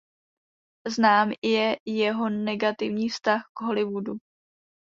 Znám je jeho negativní vztah k Hollywoodu.